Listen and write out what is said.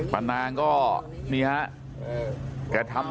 ป้านางก็นี่ครับ